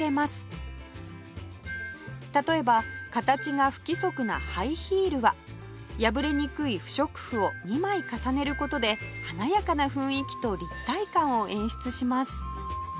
例えば形が不規則なハイヒールは破れにくい不織布を２枚重ねる事で華やかな雰囲気と立体感を演出します